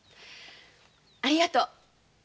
ありがとう。